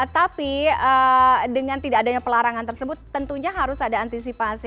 tapi dengan tidak adanya pelarangan tersebut tentunya harus ada antisipasi